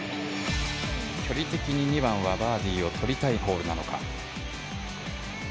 距離的に２番はバーディーを取りたいホールなのか。